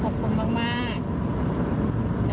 ขอบคุณมากค่ะ